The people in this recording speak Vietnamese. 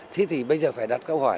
thế thì bây giờ phải đặt câu hỏi